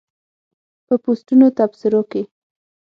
په پوسټونو تبصرو کې